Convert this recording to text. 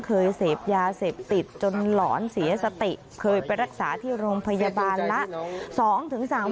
เคยเสพยาเสพติดจนหลอนเสียสติเคยไปรักษาที่โรงพยาบาลละ